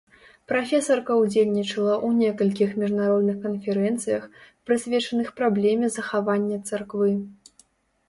Прафесарка ўдзельнічала ў некалькіх міжнародных канферэнцыях, прысвечаных праблеме захавання царквы.